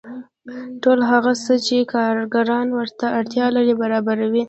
ټول هغه څه چې کارګران ورته اړتیا لري برابروي